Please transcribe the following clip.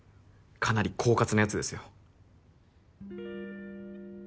かなり狡猾なやつですよ。